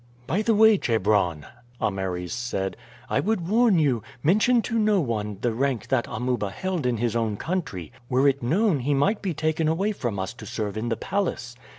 "By the way, Chebron," Ameres said, "I would warn you, mention to no one the rank that Amuba held in his own country. Were it known he might be taken away from us to serve in the palace.